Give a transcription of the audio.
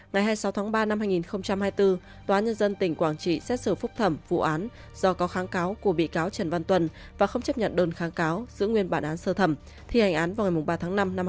ngày hai mươi sáu tháng ba năm hai nghìn hai mươi bốn tòa nhân dân tỉnh quảng trị xét xử phúc thẩm vụ án do có kháng cáo của bị cáo trần văn tuần và không chấp nhận đơn kháng cáo giữ nguyên bản án sơ thẩm thi hành án vào ngày ba tháng năm năm hai nghìn hai mươi